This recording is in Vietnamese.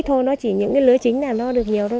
ít thôi nó chỉ những cái lứa chính là nó được nhiều thôi